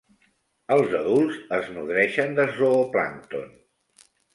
Els adults es nodreixen de zooplàncton.